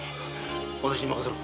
わたしに任せろ。